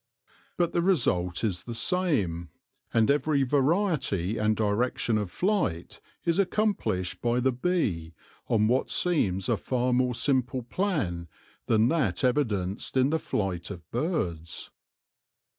But the result is the same, and every variety and direc tion of flight is accomplished by the bee on what seems a far more simple plan than that evidenced in the flight of birds.